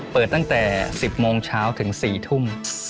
เปิดตั้งแต่๑๐โมงเช้าถึง๔ทุ่ม